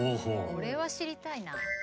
これは知りたいな。